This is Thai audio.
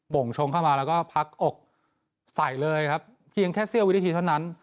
่งชงเข้ามาแล้วก็พักอกใส่เลยครับเพียงแค่เสี้ยววินาทีเท่านั้น